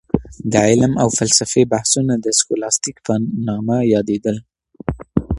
د علم او فلسفې بحثونه د سکولاستيک په نامه يادېدل.